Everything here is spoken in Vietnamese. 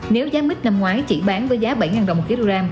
nếu giá mít năm ngoái chỉ bán với giá bảy đồng một kg